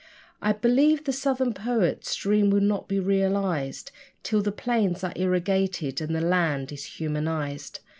I believe the Southern poets' dream will not be realised Till the plains are irrigated and the land is humanised.